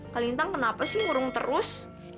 kelintang kenapa sih murung terus